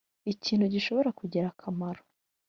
ikintu gishobora kugira akamaro